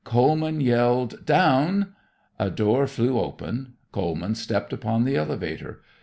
Coleman yelled "Down!" A door flew open. Coleman stepped upon the elevator.